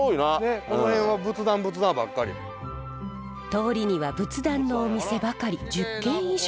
通りには仏壇のお店ばかり１０軒以上。